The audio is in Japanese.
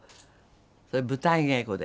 それ舞台稽古で。